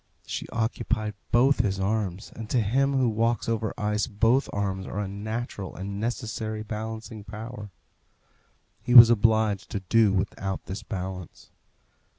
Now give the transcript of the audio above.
She occupied both his arms, and to him who walks over ice both arms are a natural and necessary balancing power. He was obliged to do without this balance.